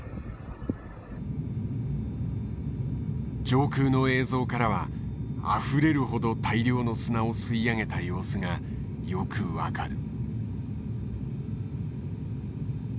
上空の映像からはあふれるほど大量の砂を吸い上げた様子がよく分かる。